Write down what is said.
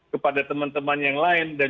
kepada teman teman yang lain dan